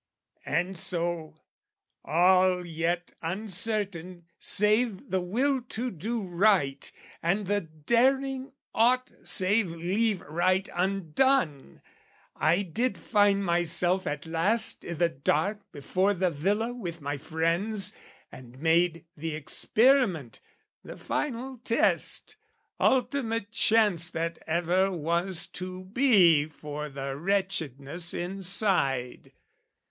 And so, all yet uncertain save the will To do right, and the daring aught save leave Right undone, I did find myself at last I' the dark before the villa with my friends, And made the experiment, the final test, Ultimate chance that ever was to be For the wretchedness inside.